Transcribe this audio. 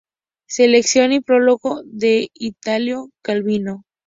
Selección y prólogo de Italo Calvino.